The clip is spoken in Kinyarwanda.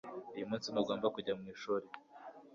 Uyu munsi ntugomba kujya mwishuri